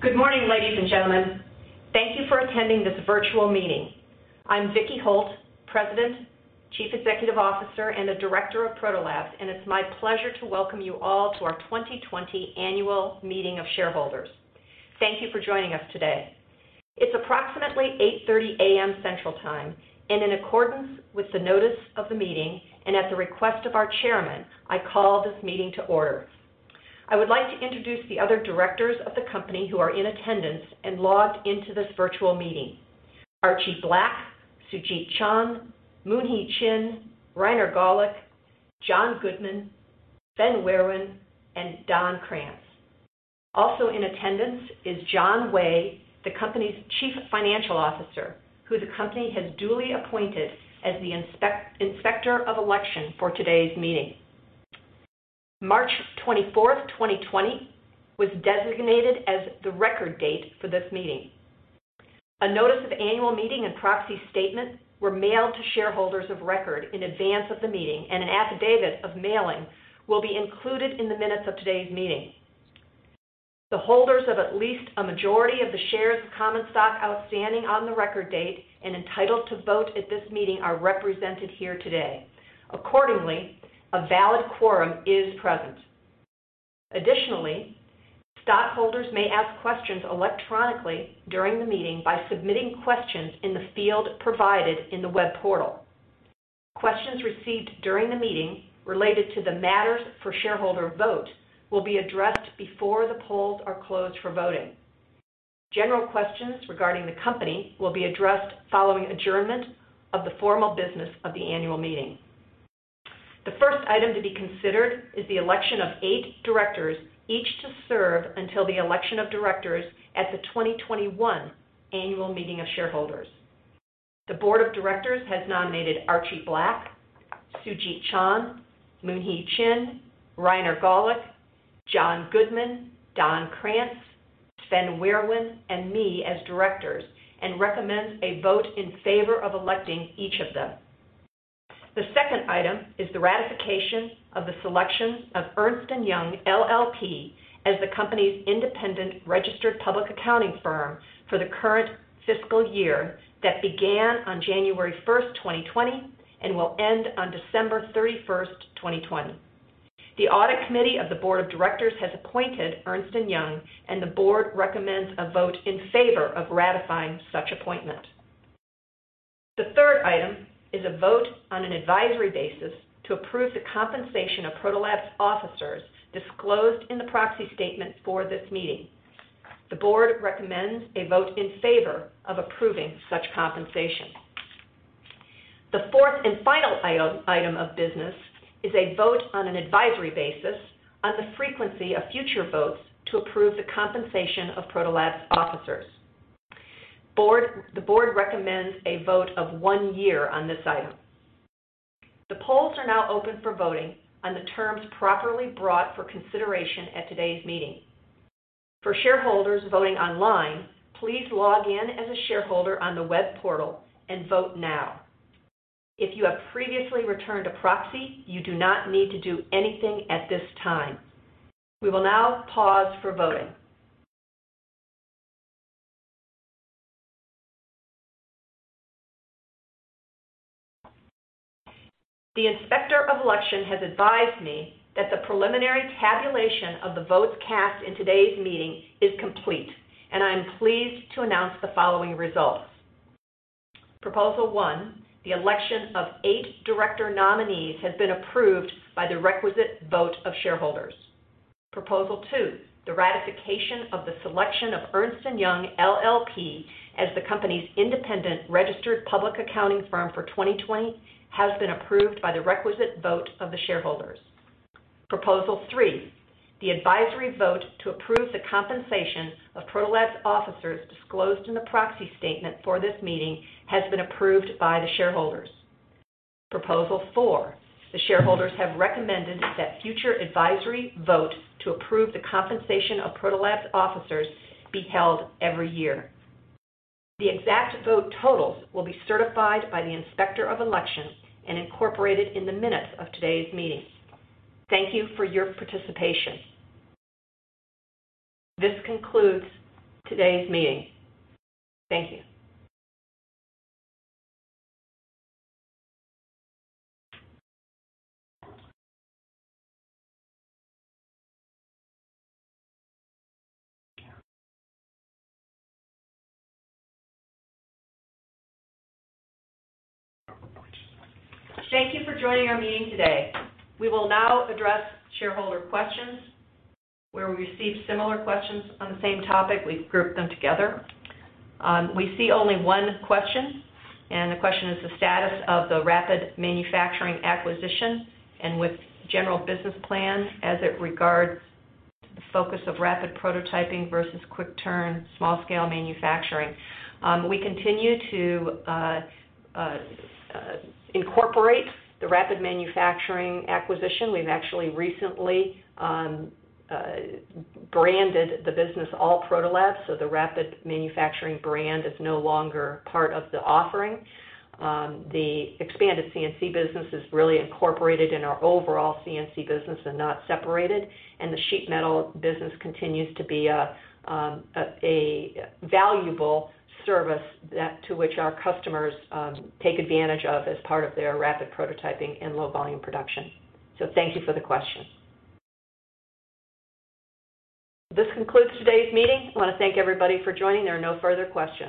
Good morning, ladies and gentlemen. Thank you for attending this virtual meeting. I'm Vicki Holt, President, Chief Executive Officer, and a Director of Proto Labs, and it's my pleasure to welcome you all to our 2020 Annual Meeting of Shareholders. Thank you for joining us today. It's approximately 8:30 A.M. Central Time, and in accordance with the notice of the meeting and at the request of our chairman, I call this meeting to order. I would like to introduce the other Directors of the company who are in attendance and logged into this virtual meeting. Archie Black, Sujeet Chand, Moonhie Chin, Rainer Gawlick, John Goodman, Sven Wehrwin, and Don Krantz. Also in attendance is John Way, the company's Chief Financial Officer, who the company has duly appointed as the Inspector of Election for today's meeting. March 24th, 2020, was designated as the record date for this meeting. A notice of annual meeting and proxy statement were mailed to shareholders of record in advance of the meeting, and an affidavit of mailing will be included in the minutes of today's meeting. The holders of at least a majority of the shares of common stock outstanding on the record date and entitled to vote at this meeting are represented here today. Accordingly, a valid quorum is present. Additionally, stockholders may ask questions electronically during the meeting by submitting questions in the field provided in the web portal. Questions received during the meeting related to the matters for shareholder vote will be addressed before the polls are closed for voting. General questions regarding the company will be addressed following adjournment of the formal business of the annual meeting. The first item to be considered is the election of eight directors, each to serve until the election of directors at the 2021 Annual Meeting of Shareholders. The board of directors has nominated Archie Black, Sujeet Chand, Moonhie Chin, Rainer Gawlick, John Goodman, Don Krantz, Sven Wehrwein, and me as directors, and recommends a vote in favor of electing each of them. The second item is the ratification of the selection of Ernst & Young LLP as the company's independent registered public accounting firm for the current fiscal year that began on January 1, 2020, and will end on December 31, 2020. The audit committee of the board of directors has appointed Ernst & Young, and the board recommends a vote in favor of ratifying such appointment. The third item is a vote on an advisory basis to approve the compensation of Proto Labs officers disclosed in the proxy statement for this meeting. The board recommends a vote in favor of approving such compensation. The fourth and final item of business is a vote on an advisory basis on the frequency of future votes to approve the compensation of Proto Labs officers. The board recommends a vote of one year on this item. The polls are now open for voting on the terms properly brought for consideration at today's meeting. For shareholders voting online, please log in as a shareholder on the web portal and vote now. If you have previously returned a proxy, you do not need to do anything at this time. We will now pause for voting. The Inspector of Election has advised me that the preliminary tabulation of the votes cast in today's meeting is complete, and I am pleased to announce the following results. Proposal one, the election of eight director nominees, has been approved by the requisite vote of shareholders. Proposal two, the ratification of the selection of Ernst & Young LLP as the company's independent registered public accounting firm for 2020, has been approved by the requisite vote of the shareholders. Proposal three, the advisory vote to approve the compensation of Proto Labs officers disclosed in the proxy statement for this meeting, has been approved by the shareholders. Proposal four, the shareholders have recommended that future advisory vote to approve the compensation of Proto Labs officers be held every year. The exact vote totals will be certified by the Inspector of Election and incorporated in the minutes of today's meeting. Thank you for your participation. This concludes today's meeting. Thank you. Thank you for joining our meeting today. We will now address shareholder questions. Where we receive similar questions on the same topic, we've grouped them together. We see only one question, and the question is the status of the Rapid Manufacturing acquisition and with general business plans as it regards the focus of rapid prototyping versus quick turn, small scale manufacturing. We continue to incorporate the Rapid Manufacturing acquisition. We've actually recently branded the business all Proto Labs, so the Rapid Manufacturing brand is no longer part of the offering. The expanded CNC business is really incorporated in our overall CNC business and not separated, and the Sheet Metal business continues to be a valuable service to which our customers take advantage of as part of their rapid prototyping and low volume production. Thank you for the question. This concludes today's meeting. I want to thank everybody for joining. There are no further questions.